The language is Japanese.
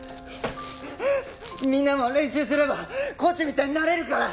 みんなも練習すればコーチみたいになれるから！